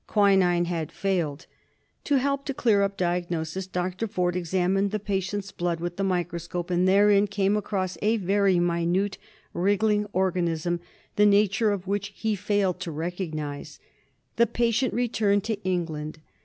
Quinine had failed. To help to clear up diagnosis Dr. Forde examined the patient's blood with the microscope, and therein came across a very minute wriggling organism the nature of which he failed to recognise. The patient returned to England.